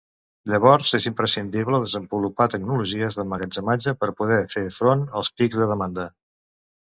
Llavors, és imprescindible desenvolupar tecnologies d'emmagatzematge per poder fer front als pics de demanda.